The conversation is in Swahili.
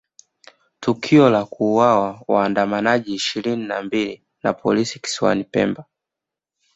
Tukio la kuuawa waandamanaji ishirini na mbili na polisi kisiwani Pemba